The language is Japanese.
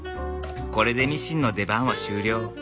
これでミシンの出番は終了。